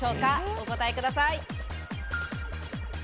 お答えください。